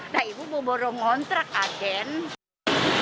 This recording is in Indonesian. lalu asal kanak mungut kerja bersihin akwa doang